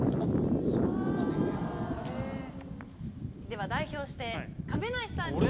では代表して亀梨さんに。